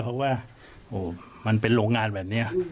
เพราะว่าโอเราก็เป็นโรงงานแบบนี้